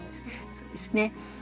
そうですね